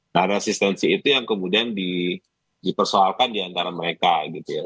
nah resistensi itu yang kemudian dipersoalkan diantara mereka gitu ya